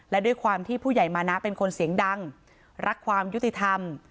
และด้วยความที่ผู้ใหญ่มานะเป็นคนเสียงดังรักความยุติธรรม